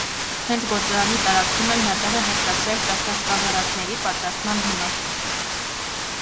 Հենց գործարանի տարածքում էլ նա տեղ է հատկացրել ճախրասավառնակների պատրաստման համար։